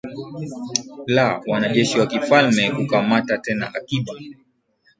la wanajeshi wa kifalme kukamata tena akiba